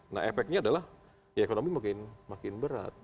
nah efeknya adalah ya ekonomi makin berat